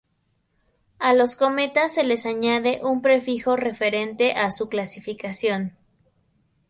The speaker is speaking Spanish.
A los cometas se les añade un prefijo referente a su clasificación.